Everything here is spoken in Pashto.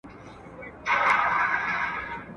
و مسکين ته د کلا د سپو سلا يوه ده.